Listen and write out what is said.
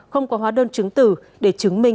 không có hóa đơn chứng tử để chứng minh